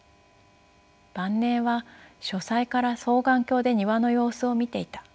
晩年は書斎から双眼鏡で庭の様子を見ていた。